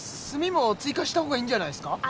炭も追加した方がいいんじゃないっすか？